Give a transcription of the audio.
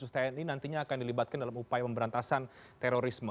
tni nantinya akan dilibatkan dalam upaya pemberantasan terorisme